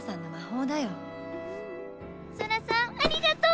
ソラさんありがとう！